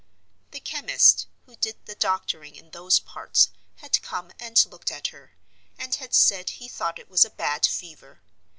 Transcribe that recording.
The chemist (who did the doctoring in those parts) had come and looked at her, and had said he thought it was a bad fever.